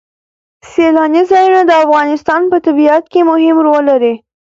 سیلانی ځایونه د افغانستان په طبیعت کې مهم رول لري.